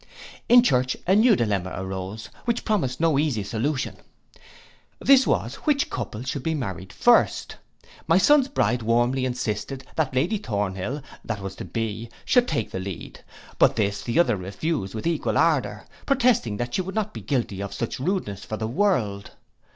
In church a new dilemma arose, which promised no easy solution. This was, which couple should be married first; my son's bride warmly insisted, that Lady Thornhill, (that was to be) should take the lead; but this the other refused with equal ardour, protesting she would not be guilty of such rudeness for the world.